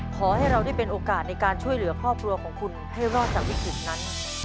ขอให้เราได้เป็นโอกาสในการช่วยเหลือครอบครัวของคุณให้รอดจากวิกฤตนั้น